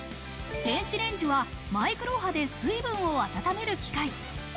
電子レンジはマイクロ波で水分を温める機械。